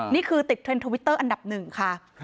นี่คือติดเทรนด์ทวิตเตอร์อันดับหนึ่งค่ะ